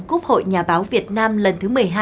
quốc hội nhà báo việt nam lần thứ một mươi hai